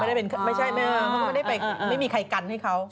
ไม่ใช่แม่เขาก็ไม่ได้ไปไม่มีใครกันให้เขา